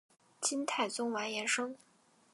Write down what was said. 金太宗完颜晟。